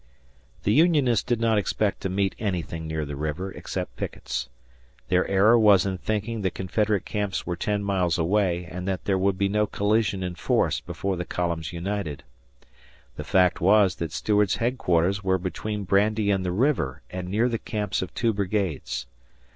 The Unionists did not expect to meet anything near the river except pickets. Their error was in thinking the Confederate camps were ten miles away, and that there would be no collision in force before the columns united. The fact was that Stuart's headquarters were between Brandy and the river and near the camps of two brigades.